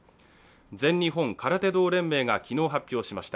全日本空手道連盟が昨日発表しました。